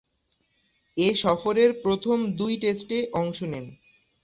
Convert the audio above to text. এ সফরের প্রথম দুই টেস্টে অংশ নেন।